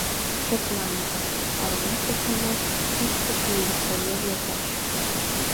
Шекланыза! — ала-мом шекланаш кӱштыш милиционер йолташ.